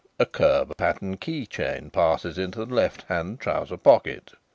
A curb pattern key chain passes into the left hand trouser pocket."